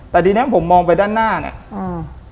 แต่ทีเนี้ยผมมองไปด้านหน้าเนี้ยอ่า